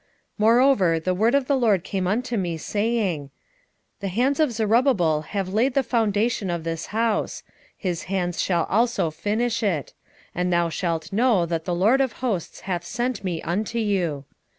4:8 Moreover the word of the LORD came unto me, saying, 4:9 The hands of Zerubbabel have laid the foundation of this house; his hands shall also finish it; and thou shalt know that the LORD of hosts hath sent me unto you.